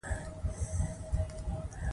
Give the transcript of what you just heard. سمدستي او په یو ځل جګړه ودروي، زه هم فکر نه کوم.